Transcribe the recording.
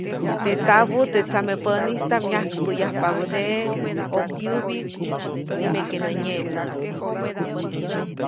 Teʼ tabuʼ, teʼ tsamepäʼnistaʼm nyajkspäyajpabädeʼe ʼokyubyiʼk, nimeke nä nyeʼmnäʼk.